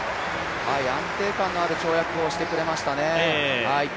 安定感のある跳躍をしてくれましたね。